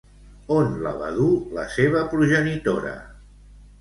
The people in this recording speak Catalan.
On la va dur la seva progenitora?